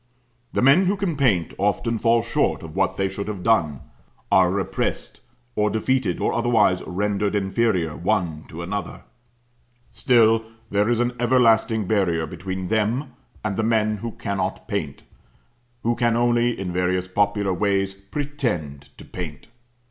The men who can paint often fall short of what they should have done; are repressed, or defeated, or otherwise rendered inferior one to another: still there is an everlasting barrier between them and the men who cannot paint who can only in various popular ways pretend to paint.